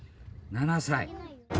７歳。